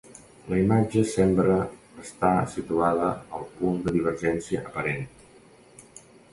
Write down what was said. La imatge sembra estar situada al punt de divergència aparent.